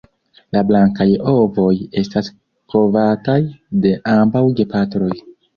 La blankaj ovoj estas kovataj de ambaŭ gepatroj.